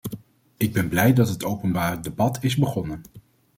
Ik ben blij dat het openbaar debat is begonnen.